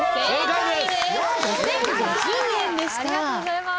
ありがとうございます。